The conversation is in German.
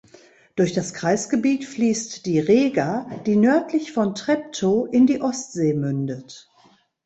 Durch das Kreisgebiet fließt die Rega, die nördlich von Treptow in die Ostsee mündet.